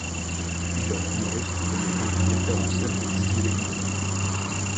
Plusieurs humoristes, comédiens et metteurs en scène ont jugé les candidats.